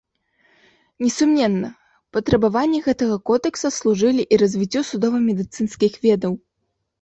Несумненна, патрабаванні гэтага кодэкса служылі і развіццю судова-медыцынскіх ведаў.